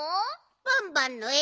バンバンのえ